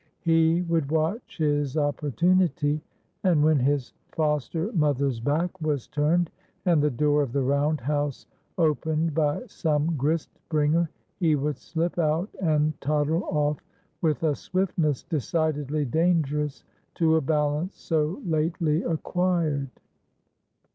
He would watch his opportunity, and when his foster mother's back was turned, and the door of the round house opened by some grist bringer, he would slip out and toddle off with a swiftness decidedly dangerous to a balance so lately acquired.